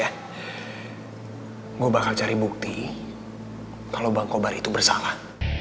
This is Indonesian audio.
aku akan cari bukti kalau bang kobar itu bersalah